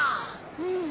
うん。